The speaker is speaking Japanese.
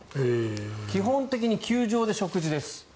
基本的に球場で食事です。